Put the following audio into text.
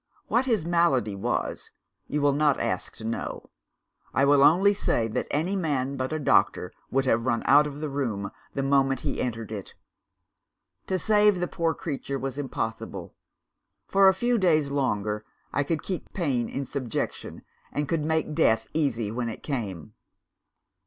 What his malady was, you will not ask to know. I will only say that any man but a doctor would have run out of the room, the moment he entered it. To save the poor creature was impossible. For a few days longer, I could keep pain in subjection, and could make death easy when it came.